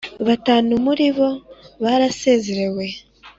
Batanu muribo barasezerewe.